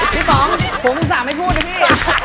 พี่ป๋องผมสามารถไม่พูดนะพี่